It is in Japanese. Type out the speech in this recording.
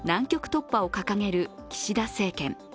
突破を掲げる岸田政権。